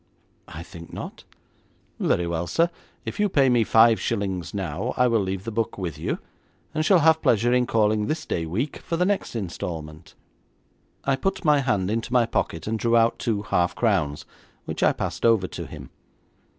'I think not.' 'Very well, sir, if you pay me five shillings now, I will leave the book with you, and shall have pleasure in calling this day week for the next instalment.' I put my hand into my pocket, and drew out two half crowns, which I passed over to him.